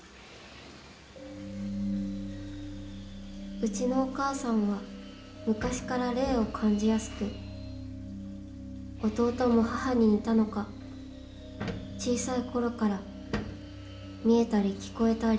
［うちのお母さんは昔から霊を感じやすく弟も母に似たのか小さいころから見えたり聞こえたり］